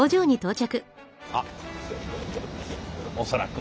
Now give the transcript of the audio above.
あっ恐らく。